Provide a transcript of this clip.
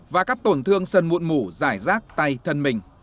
và các tổn thương sân mụn mủ giải rác tay thân mình